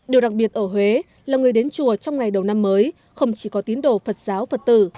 điều đặc biệt ở huế là người đến chùa trong ngày đầu năm mới không chỉ có tín đồ phật giáo phật tử